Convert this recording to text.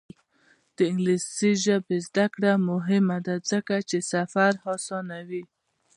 د انګلیسي ژبې زده کړه مهمه ده ځکه چې سفر اسانوي.